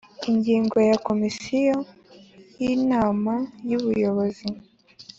Ingingo ya komitey inama y ubuyobozi